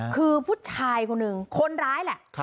คือผู้ชายคนหนึ่งคนร้ายแหละ